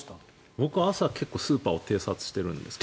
僕は朝、結構スーパーを偵察しているんですけど。